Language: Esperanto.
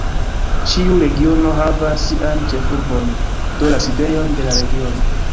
Ĉiu regiono havas sian "ĉefurbon", do la sidejon de la regiono.